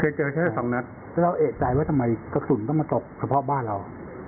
เราก็แอดใจว่าทำไมกระสุนต้องมากบกระเพาะบ้านเรา